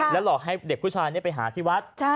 หลอกให้เด็กผู้ชายไปหาที่วัด